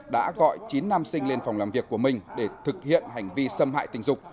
đã gọi chín nam sinh lên phòng làm việc của mình để thực hiện hành vi xâm hại tình dục